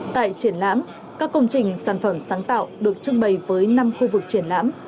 tại triển lãm các công trình sản phẩm sáng tạo được trưng bày với năm khu vực triển lãm